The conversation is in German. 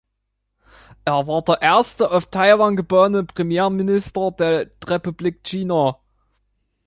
Er war der erste auf Taiwan geborene Premierminister der Republik China.